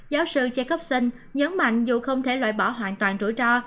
giáo sư chekovsion nhấn mạnh dù không thể loại bỏ hoàn toàn rủi ro